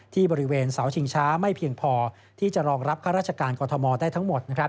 ที่บริเวณเสาชิงช้าไม่เพียงพอที่จะรองรับข้าราชการกรทมได้ทั้งหมด